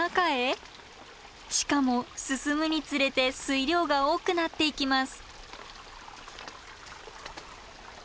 しかも進むにつれて水量が多くなっていきます。